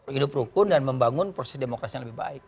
hidup rukun dan membangun proses demokrasi yang lebih baik